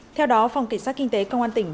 theo đó phòng kỳ sát kinh tế công an tp quảng ngãi